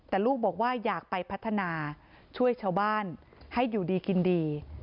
แต่ลูกบอกว่าอยากไปพัฒนาช่วยชาวบ้านให้อยู่ดีกินดี